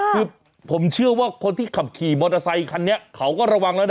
คือผมเชื่อว่าคนที่ขับขี่มอเตอร์ไซคันนี้เขาก็ระวังแล้วนะ